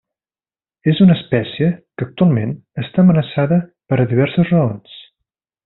És una espècie que actualment està amenaçada per a diverses raons.